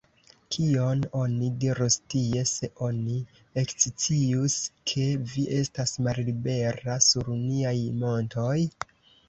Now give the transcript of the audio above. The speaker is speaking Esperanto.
Kion oni dirus tie, se oni ekscius, ke vi estas mallibera sur niaj montoj?